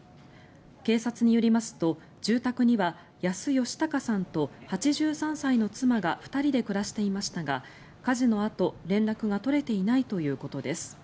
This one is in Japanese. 警察によりますと住宅には矢須義孝さんと８３歳の妻が２人で暮らしていましたが火事のあと、連絡が取れていないということです。